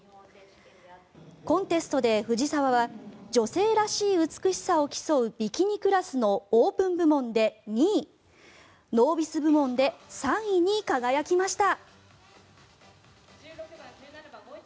コンテストで藤澤は女性らしい美しさを競うビキニクラスのオープン部門で２位ノービス部門で３位に輝きました。